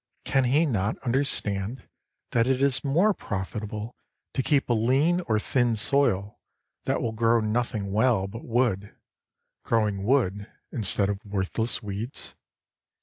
Can he not understand that it is more profitable to keep a lean or thin soil that will grow nothing well but wood, growing wood instead of worthless weeds?